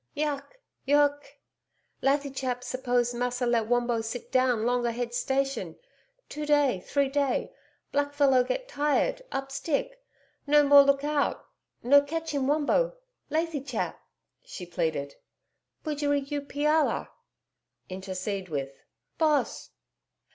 YUCKE! YUCKE! Lathychap suppose Massa let Wombo sit down long a head station two day, three day black fellow get tired up stick no more look out. No catch 'im Wombo. Lathychap!' she pleaded, 'BUJERI you PIALLA (intercede with) Boss.'